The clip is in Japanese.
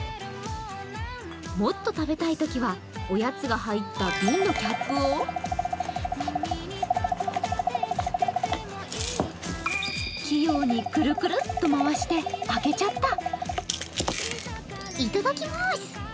もっと食べたいときは、おやつが入った瓶のキャップを器用にくるくるっと回して開けちゃった。